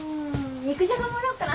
肉じゃがもらおうかな。